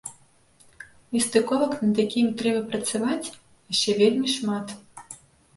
Нестыковак, над якімі трэба працаваць, яшчэ вельмі шмат.